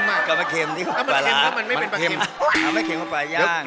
ถ้าไม่เค็มก็ปลาย่าง